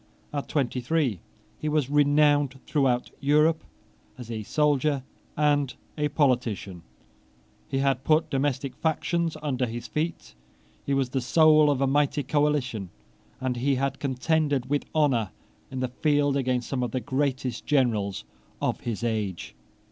At twenty three he was renowned throughout Europe as a soldier and a politician. He had put domestic factions under his feet: he was the soul of a mighty coalition; and he had contended with honour in the field against some of the greatest generals of the age.